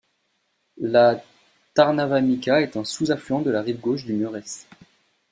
La Tarnava Mică est un sous-affluent de la rive gauche du Mureș.